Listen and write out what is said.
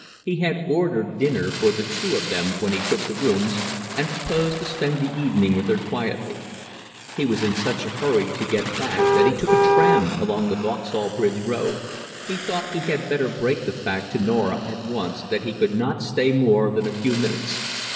He had ordered dinner for the two of them when he took the rooms, and proposed to spend the evening with her quietly. He was in such a hurry to get back that he took a tram along the Vauxhall Bridge Road. He thought he had better break the fact to Norah at once that he could not stay more than a few minutes.